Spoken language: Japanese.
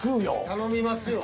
頼みますよ。